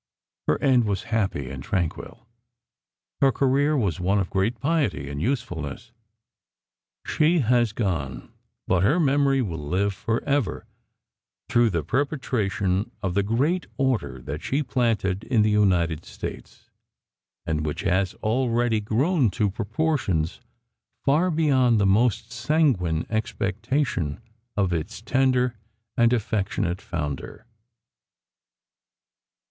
Her end was happy and tranquil. Her career was one of great piety and usefulness. She has gone but her memory will live forever through the perpetration of the great order that she planted in the United States, and which has already grown to proportions far beyond the most sanguine expectation of its tender and affectionate founder.